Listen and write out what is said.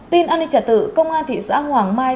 tin an ninh trả tự công an thị xã hoàng mai